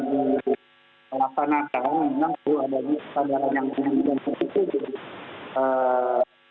karena memang perlu ada kepadangan yang sedikit sedikit